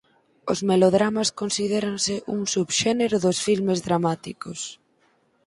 Os melodramas considéranse un subxénero dos filmes dramáticos.